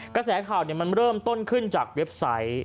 กระแสข่าวมันเริ่มต้นขึ้นจากเว็บไซต์